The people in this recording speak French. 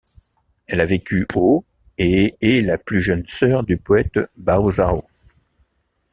Elle a vécu au et est la plus jeune sœur du poète Bao Zhao.